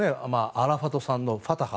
アラファトさんのファタハ。